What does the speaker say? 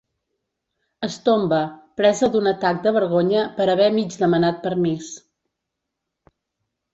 Es tomba, presa d'un atac de vergonya per haver mig demanat permís.